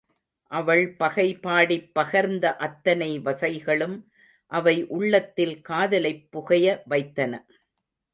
அவள் பகைபாடிப் பகர்ந்த அத்தனை வசைகளும் அவை உள்ளத்தில் காதலைப் புகைய வைத்தன.